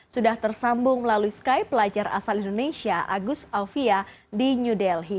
sudah tersambung melalui skype pelajar asal indonesia agus aufia di new delhi